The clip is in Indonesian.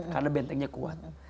karena bentengnya kuat